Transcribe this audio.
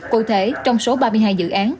cụ thể trong số ba mươi hai dự án